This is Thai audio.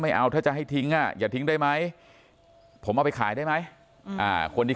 เอาถ้าจะให้ทิ้งอ่ะอย่าทิ้งได้ไหมผมเอาไปขายได้ไหมคนที่